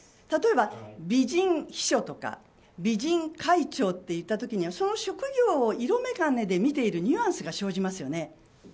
例えば、美人秘書とか美人会長といった時にはその職業を色眼鏡で見ているニュアンスが生じますよね。